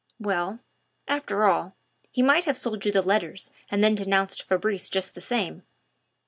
"Well, after all, he might have sold you the letters and then denounced Fabrice just the same."